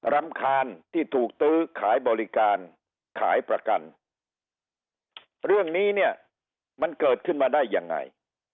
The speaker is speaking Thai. รำคาญที่ถูกตื้อขายบริการขายประกันเรื่องนี้เนี่ยมันเกิดขึ้นมาได้ยังไง